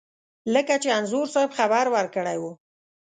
لکه چې انځور صاحب خبر ورکړی و.